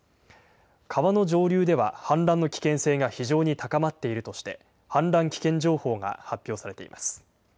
川の上流では氾濫の危険性が非常に高まっているとして氾濫危険情報が発表されています。